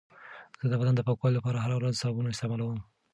زه د بدن د پاکوالي لپاره هره ورځ صابون استعمالوم.